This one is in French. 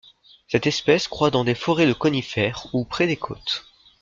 Cette espèce croît dans des forêts de conifères ou près des côtes.